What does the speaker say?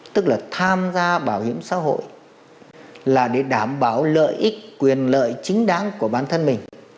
tức là tham gia bảo hiểm xã hội là để đảm bảo lợi ích quyền lợi chính đáng của bản thân mình